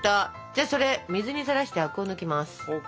じゃあそれ水にさらしてアクを抜きます。ＯＫ。